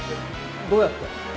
どうやって？